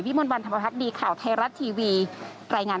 วิมรวรรณธรรมพัทรดีข่าวไทรรัสตีวีรายงาน